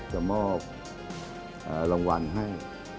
จะมอบรางวัลให้